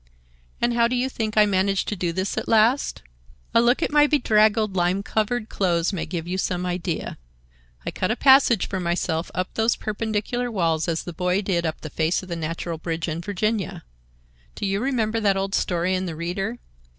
"And how do you think I managed to do this at last? A look at my bedraggled, lime covered clothes may give you some idea. I cut a passage for myself up those perpendicular walls as the boy did up the face of the natural bridge in Virginia. Do you remember that old story in the Reader?